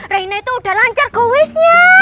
rena itu udah lancar go wishnya